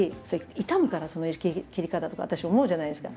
「傷むからその切り方」とか私思うじゃないですか。